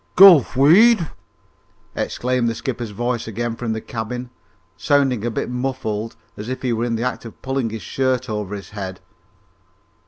"Gulf weed?" exclaimed the skipper's voice again from the cabin, sounding a bit muffled as if he were in the act of pulling his shirt over his head.